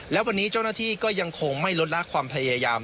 และวันนี้เจ้าหน้าที่ก็ยังคงไม่ลดละความพยายาม